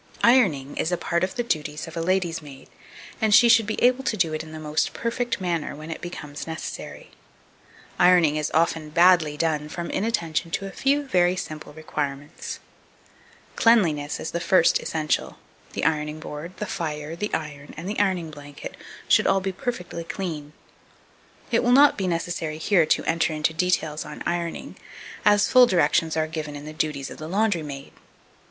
2282. Ironing is a part of the duties of a lady's maid, and she should be able to do it in the most perfect manner when it becomes necessary. Ironing is often badly done from inattention to a few very simple requirements. Cleanliness is the first essential: the ironing board, the fire, the iron, and the ironing blanket should all be perfectly clean. It will not be necessary here to enter into details on ironing, as full directions are given in the "Duties of the Laundry maid."